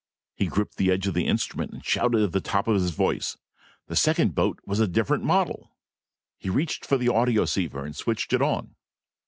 He gripped the edge of the instrument and shouted at the top of his voice. The second boat was a different model! He reached for the audioceiver and switched it on.